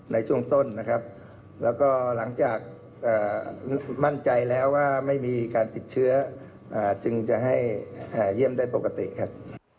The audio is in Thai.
ในช่วงต้นนะครับแล้วก็หลังจากมั่นใจแล้วว่าไม่มีการติดเชื้อจึงจะให้เยี่ยมได้ปกติครับ